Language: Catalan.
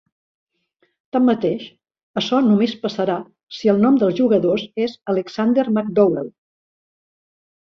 Tanmateix, açò només passarà si el nom dels jugadors és Alexander McDowell.